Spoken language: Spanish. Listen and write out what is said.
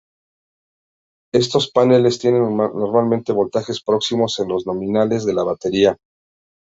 Estos paneles tiene normalmente voltajes próximos a los nominales de la batería.